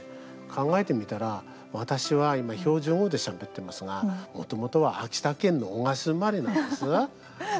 考えてみたら、私は今標準語でしゃべってますがもともとは秋田県の男鹿市生まれなんです。